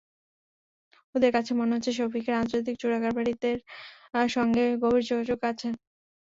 ওদের কাছে মনে হচ্ছে শফিকের আন্তর্জাতিক চোরাকারবারিদের সঙ্গে গভীর যোগাযোগ আছে।